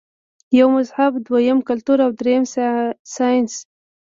يو مذهب ، دويم کلتور او دريم سائنس -